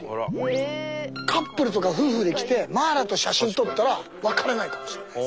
カップルとか夫婦で来てマーラと写真撮ったら別れないかもしれない。